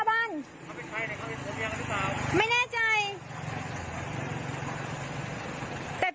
ก็ไม่ใช่ตม